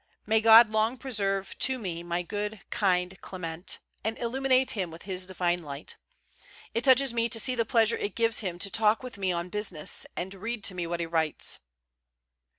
May God long preserve to me my good, kind Clement, and illuminate him with His divine light. It touches me to see the pleasure it gives him to talk with me on business, and read to me what he writes."